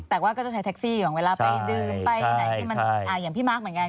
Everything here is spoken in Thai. แต่ว่าก็จะใช้แท็กซี่อย่างเวลาไปดื่มไปไหนอย่างพี่มาร์คเหมือนกัน